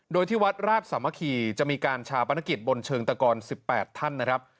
โดยที่วัดราชสามัคคีจะมีการชาปนกิจบนเชิงตะกร๑๘ท่านนะครับ